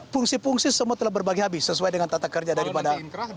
fungsi fungsi semua telah berbagi habis sesuai dengan tata kerja daripada